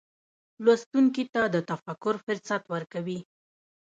لوستونکي ته د تفکر فرصت ورکوي.